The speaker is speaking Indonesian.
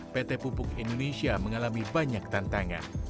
pt pupuk indonesia mengalami banyak tantangan